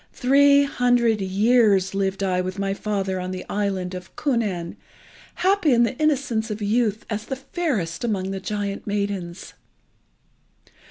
Three hundred years lived I with my father on the island of Kunnan, happy in the innocence of youth, as the fairest among the giant maidens.